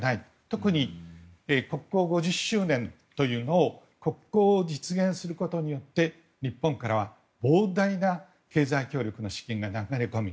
特に国交５０周年というのを国交を実現することによって日本からは膨大な経済協力の資金が流れ込む。